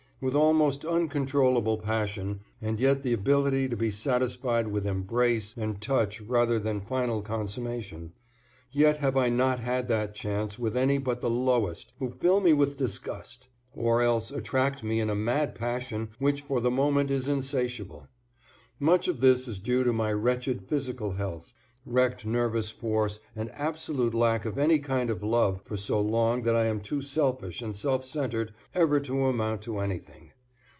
With almost uncontrollable passion, and yet the ability to be satisfied with embrace and touch rather than final consummation, yet have I not had that chance with any but the lowest who fill me with disgust, or else attract me in a mad passion which for the moment is insatiable. Much of this is due to my wretched physical health, wrecked nervous force and absolute lack of any kind of love for so long that I am too selfish and self centred ever to amount to anything.